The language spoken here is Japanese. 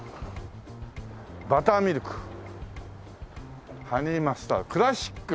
「バターミルク」「ハニーマスタード」「クラシック」